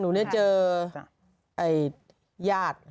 หนูเนี่ยเจอไอ้ญาติ